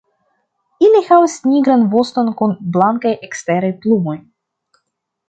Ili havas nigran voston kun blankaj eksteraj plumoj.